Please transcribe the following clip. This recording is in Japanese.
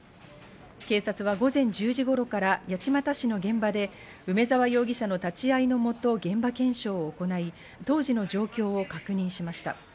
警察は午前１０時頃から八街市の現場で梅沢容疑者の立ち会いのもと現場検証を行い、当時の状況を確認しました。